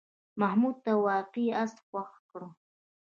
محمود ته واقعي آس خوښ کړه.